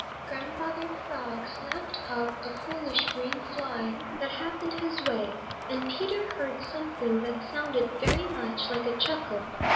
Grandfather Frog snapped up a foolish green fly that happened his way, and Peter heard something that sounded very much like a chuckle.